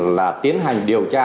là tiến hành điều tra